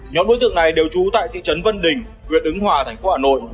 nhóm đối tượng này đều trú tại thị trấn vân đình huyện ứng hòa tp hà nội